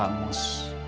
kata kang mus